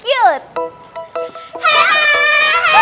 kalian cantik banget deh